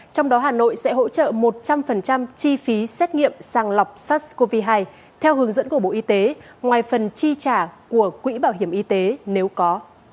trong đó hà nội sẽ hỗ trợ một trăm linh chi phí xét nghiệm sàng lọc sars cov hai theo hướng dẫn của bộ y tế ngoài phần chi trả của quỹ bảo hiểm y tế nếu có